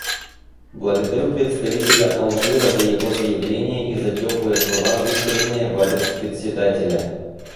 Благодарю представителя Алжира за его заявление и за теплые слова, высказанные в адрес Председателя.